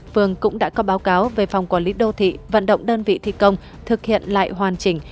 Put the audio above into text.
phường cũng đã có báo cáo về phòng quản lý đô thị vận động đơn vị thi công thực hiện lại hoàn chỉnh